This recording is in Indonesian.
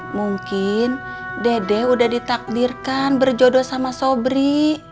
mungkin dede udah ditakdirkan berjodoh sama sobri